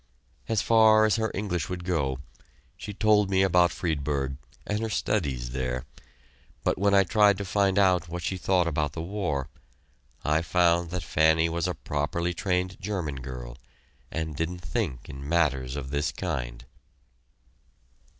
As far as her English would go, she told me about Friedberg and her studies there, but when I tried to find out what she thought about the war, I found that Fanny was a properly trained German girl, and didn't think in matters of this kind.